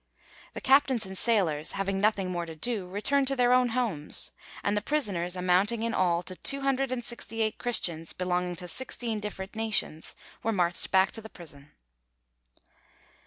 The captains and sailors, having nothing more to do, returned to their own homes; and the prisoners, amounting in all to two hundred and sixty eight Christians belonging to sixteen different nations, were marched back to the prison.